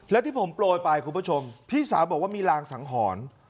และที่ผมโปรยไปคุณผู้ชมพี่สาวบอกว่ามีรางสังหรณ์